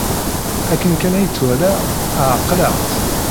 Akken kan ay tt-walaɣ, ɛeqleɣ-tt.